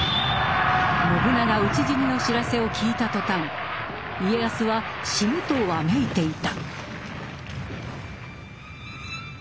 信長討ち死にの知らせを聞いた途端家康は「死ぬ」とわめいていた。